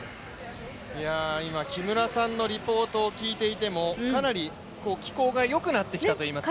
今、木村さんのリポートを聞いていても、かなり気候が良くなってきたというか。